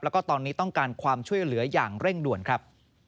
แล้วก็ตอนนี้ต้องการความช่วยเหลืออย่างเร่งด่วนครับ